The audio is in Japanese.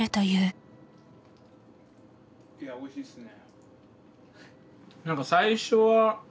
いやおいしいっすね。